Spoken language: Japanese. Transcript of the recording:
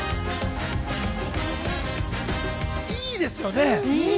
いいですよね。